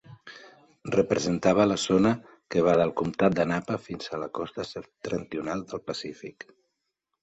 Representava la zona que va del comptat de Napa fins a la costa septentrional del Pacífic.